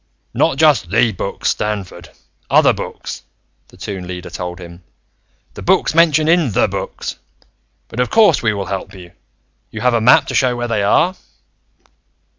"Not just The Books, Stamford, other books," the Toon Leader told him. "The books mentioned in The Books. But of course we will help you. You have a map to show where they are?"